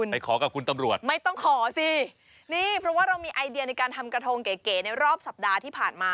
ไปขอกับคุณตำรวจไม่ต้องขอสิ